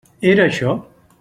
Era això?